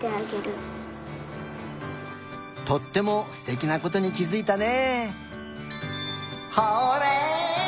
とってもすてきなことにきづいたね。